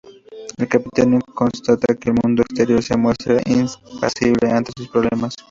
El capitán constata que el mundo exterior se muestra impasible ante sus problemas.